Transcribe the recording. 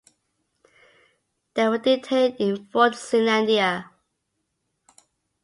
They were detained in Fort Zeelandia.